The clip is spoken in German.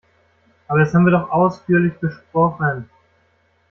Aber das haben wir doch ausführlich besprochen!